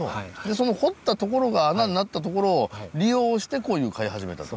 その掘ったところが穴になったところを利用してコイを飼い始めたと。